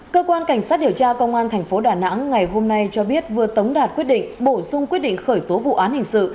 cơ quan cảnh sát điều tra công an thành phố đà nẵng ngày hôm nay cho biết vừa tống đạt quyết định bổ sung quyết định khởi tố vụ án hình sự